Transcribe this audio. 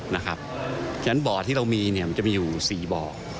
เพราะฉะนั้นบ่อที่เรามีมันจะมีอยู่๔บ่อ